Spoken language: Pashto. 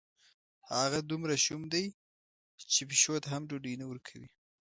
هغه دومره شوم دی، چې پیشو ته هم ډوډۍ نه ورکوي.